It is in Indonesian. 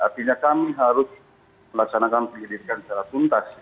artinya kami harus melaksanakan penyelidikan secara tuntas